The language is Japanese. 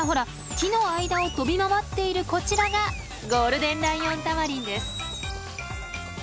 木の間を飛び回っているこちらがゴールデンライオンタマリンです。